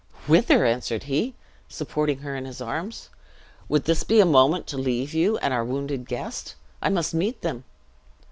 "Whither?" answered he, supporting her in his arms. "Would this be a moment to leave you, and our wounded guest? I must meet them."